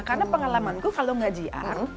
karena pengalamanku kalau nggak gr